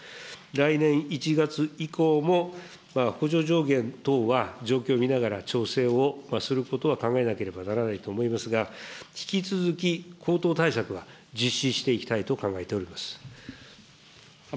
来年１月以降も補助上限等は状況を見ながら調整をすることは考えなければならないと思いますが、引き続き高騰対策は実施していきたいと考えております。